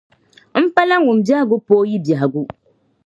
M pala ŋun biɛhigu pooi yi biɛhigu.